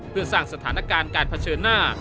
เพื่อสร้างสถานการณ์การเผชิญหน้า